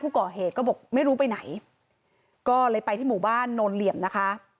ก่อเหตุก็บอกไม่รู้ไปไหนก็เลยไปที่หมู่บ้านโนนเหลี่ยมนะคะ